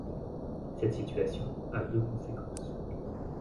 Cette situation a deux conséquences.